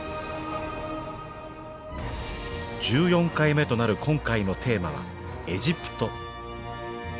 １４回目となる今回のテーマは「エジプト」。